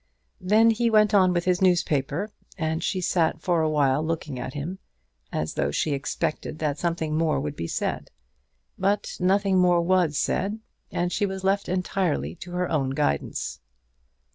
Then he went on with his newspaper, and she sat for a while looking at him, as though she expected that something more would be said. But nothing more was said, and she was left entirely to her own guidance.